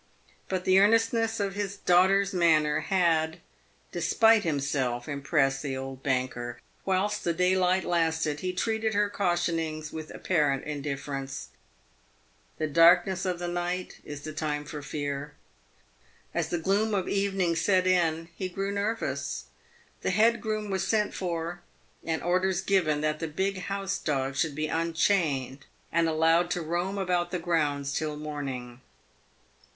But the earnestness of his daughter's manner had, despite himself, impressed the old banker. Whilst the daylight lasted, he treated her cautionings with apparent indifference. The darkness of night is the time for fear. As the gloom of evening set in, he grew nervous. The head groom was sent for and orders given that the big house dog should be unchained and allowed to roam about the grounds till morn ing.